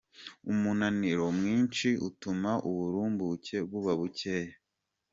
Umunaniro mwinshi utuma uburumbuke buba bukeya.